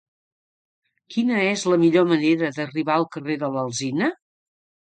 Quina és la millor manera d'arribar al carrer de l'Alzina?